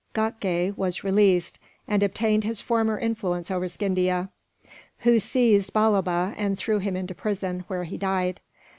Ghatgay was released, and obtained his former influence over Scindia; who seized Balloba and threw him into prison, where he died.